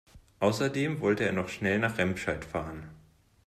Außerdem wollte er noch schnell nach Remscheid fahren